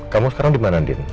kamu sekarang di mana din